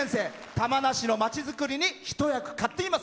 玉名市の街づくりに一役買っています。